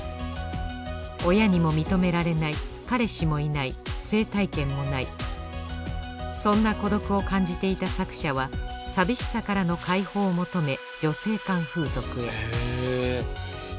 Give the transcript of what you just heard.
親にも認められない彼氏もいない性体験もないそんな孤独を感じていた作者は寂しさからの解放を求め女性間風俗へ。